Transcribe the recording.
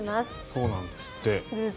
そうなんですって。